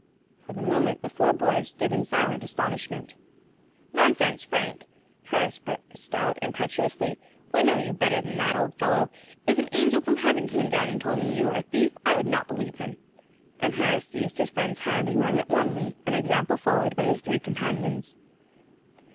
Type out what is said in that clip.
For the moment the four boys stood in silent astonishment. "Nonsense, Frank," Harris burst out impetuously, "we know you better than that, old fellow; if an angel from heaven came down and told me you were a thief I would not believe him," and Harris seized his friend's hand and wrung it warmly, an example followed by his three companions.